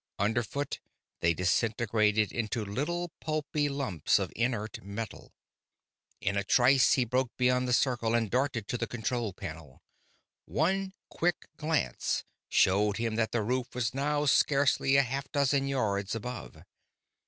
Under foot, they disintegrated into little pulpy lumps of inert metal. In a trice he broke beyond the circle and darted to the control panel. One quick glance showed him that the roof was now scarcely a half dozen yards above.